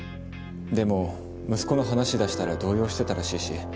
でも息子の話出したら動揺してたらしいし。